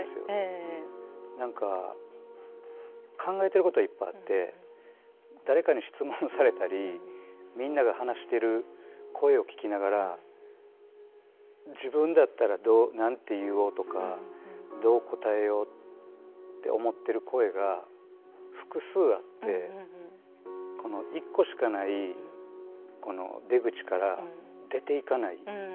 何か考えてることはいっぱいあって誰かに質問をされたりみんなが話してる声を聞きながら自分だったら何て言おうとかどう答えようって思ってる声が複数あってこの一個しかない出口から出ていかない。